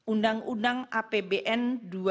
undang undang apbn dua ribu dua puluh